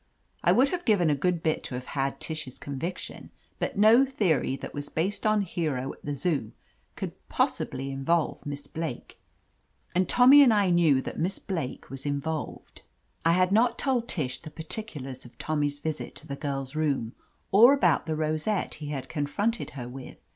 I would have given a good bit to have had Tish's conviction, but no theory that was based on Hero at the Zoo could possibly involve Miss Blake. And Tommy and I knew that Miss Blake was in volved. I had not told Tish the particulars of Tom 126 ^ LETITIA CARBERRY my's visit to the girl's room, or about the rosette he had confronted her with.